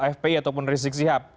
fpi ataupun rizik sihab